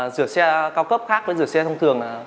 rửa xe cao cấp khác với rửa xe thông thường